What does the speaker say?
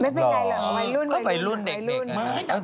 ไม่เลยเหรอฮะใหม่รุ่นก็ไว้รุ่น